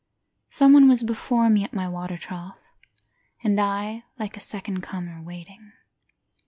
Someone was before me at my water trough, And I, like a second comer, waiting.